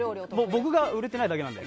僕が売れてないだけなので。